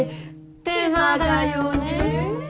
手間だよね。